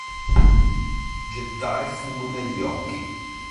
Gettare fumo negli occhi.